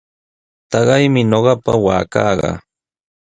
Taqaymi ñuqapa waakaqa.